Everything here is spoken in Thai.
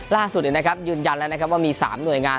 ล่าสุดอีกนะครับยืนยันแล้วนะครับว่ามี๓หน่วยงาน